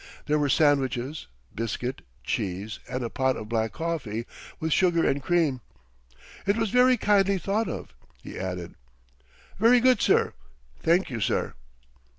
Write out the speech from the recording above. There were sandwiches, biscuit, cheese, and a pot of black coffee, with sugar and cream. "It was very kindly thought of," he added. "Very good, sir, thank you, sir."